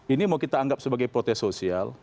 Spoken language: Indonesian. ini mau kita anggap sebagai protes sosial